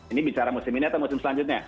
ini bicara musim ini atau musim selanjutnya